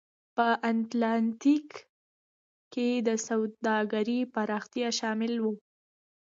په اتلانتیک کې د سوداګرۍ پراختیا شامل و.